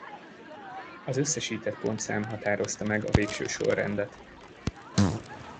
Az összesített pontszám határozta meg a végső sorrendet.